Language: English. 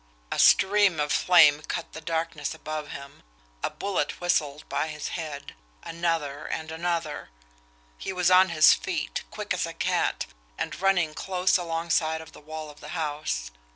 A stream of flame cut the darkness above him, a bullet whistled by his head another and another. He was on his feet, quick as a cat, and running close alongside of the wall of the house.